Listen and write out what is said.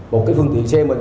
một cái phương tiện xe mình